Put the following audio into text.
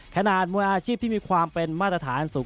มวยอาชีพที่มีความเป็นมาตรฐานสูง